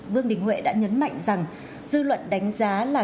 vương đình huệ đã nhấn mạnh rằng dư luận đánh giá là